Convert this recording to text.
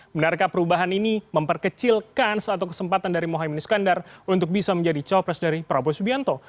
menarikah perubahan ini memperkecilkan kesempatan dari mohamad ibn iskandar untuk bisa menjadi cowok pres dari prabowo subianto